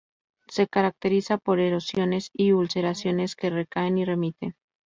Se caracteriza por erosiones y ulceraciones que recaen y remiten.